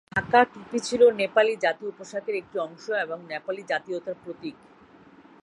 ঢাকা টুপি ছিল নেপালি জাতীয় পোশাকের একটি অংশ এবং নেপালি জাতীয়তার প্রতীক।